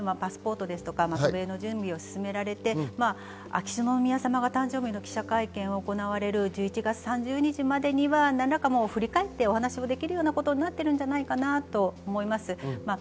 戸籍が得られましたのでパスポートや渡米の準備を進められて、秋篠宮さまが誕生日の記者会見を行われる１１月３０日までには振り返ってお話できることになってるんじゃないかなと思います。